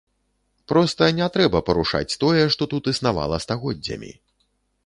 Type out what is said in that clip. Проста не трэба парушаць тое, што тут існавала стагоддзямі.